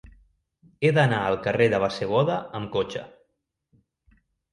He d'anar al carrer de Bassegoda amb cotxe.